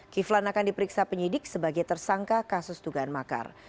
kiflan akan diperiksa penyidik sebagai tersangka kasus dugaan makar